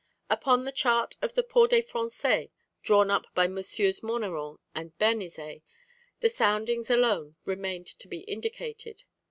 Upon the chart of the Port des Français, drawn up by MM. Monneron and Bernizet, the soundings alone remained to be indicated.